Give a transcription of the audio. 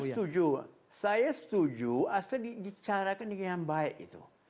setuju saya setuju asal dibicarakan dengan yang baik itu